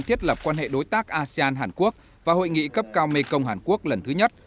thiết lập quan hệ đối tác asean hàn quốc và hội nghị cấp cao mekong hàn quốc lần thứ nhất